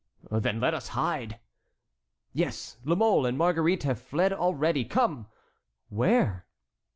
"Then let us hide." "Yes. La Mole and Marguerite have already fled. Come!" "Where?"